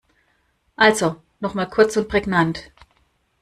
Also noch mal kurz und prägnant.